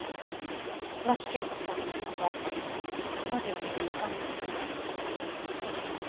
牧京子さんの脳は文字を見ても反応しなかった。